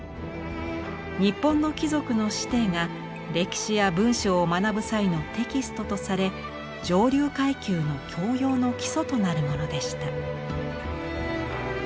日本の貴族の子弟が歴史や文章を学ぶ際のテキストとされ上流階級の教養の基礎となるものでした。